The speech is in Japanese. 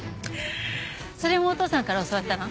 それもお父さんから教わったの？